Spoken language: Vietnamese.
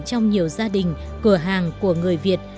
trong nhiều gia đình cửa hàng của người việt